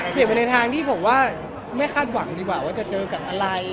ไปในทางที่ผมว่าไม่คาดหวังดีกว่าว่าจะเจอกับอะไร